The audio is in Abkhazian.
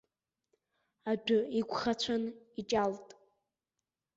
Адәы иқәхацәан, иҷалт.